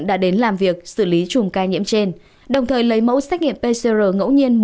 đã đến làm việc xử lý chùm ca nhiễm trên đồng thời lấy mẫu xét nghiệm pcr ngẫu nhiên